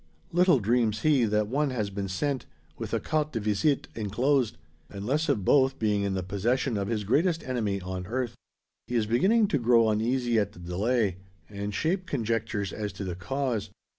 Little dreams he, that one has been sent, with a carte de visite enclosed; and less of both being in the possession of his greatest enemy on earth. He is beginning to grow uneasy at the delay, and shape conjectures as to the cause.